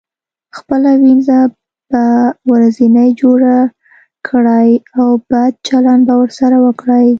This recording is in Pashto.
خپله وينځه به ورځنې جوړه کړئ او بد چلند به ورسره وکړئ.